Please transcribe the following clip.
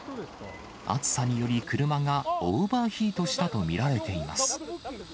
暑さにより、車がオーバーヒートしたと見られています。